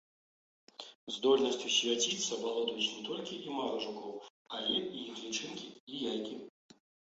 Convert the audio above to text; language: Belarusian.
Здольнасцю свяціцца валодаюць не толькі імага жукоў, але і іх лічынкі і яйкі.